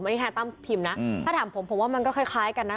อันนี้ถ้าตั้มผิมนะอืมถ้าถามผมผมว่ามันก็คล้ายคล้ายกันนะ